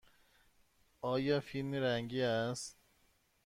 آیا فیلم رنگی است؟